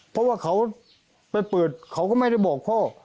เพราะว่าเขาไปเปิดเขาก็ไม่ได้บอกพ่อ